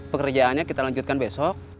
pekerjaannya kita lanjutkan besok